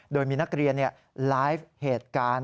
โดยมีนักเรียนเนี่ยร้ายเหตุการณ์